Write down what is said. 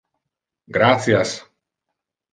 Gratias